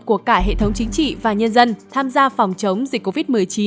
của cả hệ thống chính trị và nhân dân tham gia phòng chống dịch covid một mươi chín